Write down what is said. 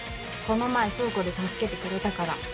この前倉庫で助けてくれたから。